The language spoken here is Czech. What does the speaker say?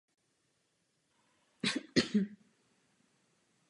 Hrad je národní kulturní památkou.